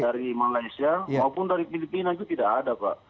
dari malaysia maupun dari filipina itu tidak ada pak